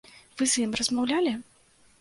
Вы з ім размаўлялі?